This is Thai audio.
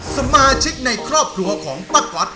สมาชิกในครอบครัวของป้าก๊อต